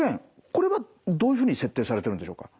これはどういうふうに設定されてるんでしょうか？